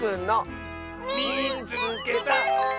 「みいつけた！」。